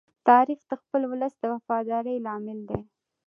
تاریخ د خپل ولس د وفادارۍ لامل دی.